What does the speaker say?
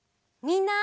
みんな！